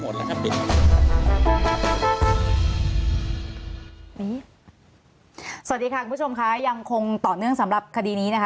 สวัสดีค่ะคุณผู้ชมค่ะยังคงต่อเนื่องสำหรับคดีนี้นะคะ